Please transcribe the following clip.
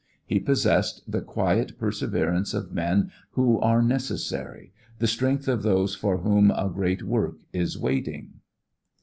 He possessed the quiet perseverance of men who are necessary, the strength of those for whom a great work is waiting.